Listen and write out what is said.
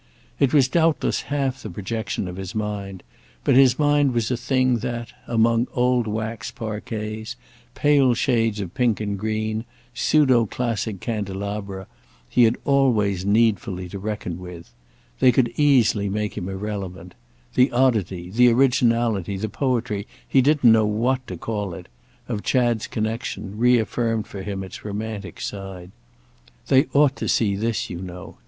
It was doubtless half the projection of his mind, but his mind was a thing that, among old waxed parquets, pale shades of pink and green, pseudo classic candelabra, he had always needfully to reckon with. They could easily make him irrelevant. The oddity, the originality, the poetry—he didn't know what to call it—of Chad's connexion reaffirmed for him its romantic side. "They ought to see this, you know.